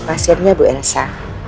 saya juga ingin meminta ibu elsa